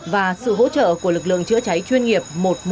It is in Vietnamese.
và sự hỗ trợ của lực lượng chữa cháy chuyên nghiệp một trăm một mươi một